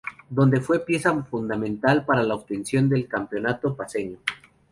Donde fue pieza fundamental para la obtención del campeonato paceño.